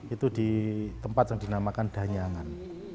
itu di tempat yang dinamakan danyangan